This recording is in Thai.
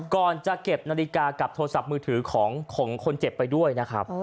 ก่อนจะเก็บนาฬิกากับโทรศัพท์มือถือของคนเจ็บไปด้วยนะครับ